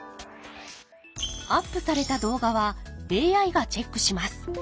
アップされた動画はＡＩがチェックします。